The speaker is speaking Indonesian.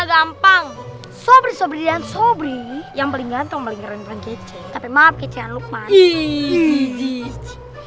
gampang sobrir dan sobrir yang paling ganteng paling keren kece tapi maaf kecehan lukman iji